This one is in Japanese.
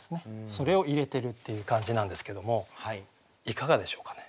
それを入れてるっていう感じなんですけどもいかがでしょうかね。